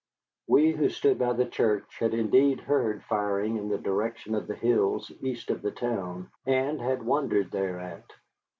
We who stood by the church had indeed heard firing in the direction of the hills east of the town, and had wondered thereat.